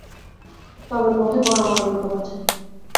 তবে পথে বড় বড় বিপদ আছে।